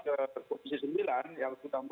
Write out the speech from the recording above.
kepada posisi sembilan yang sudah masuk akan di approve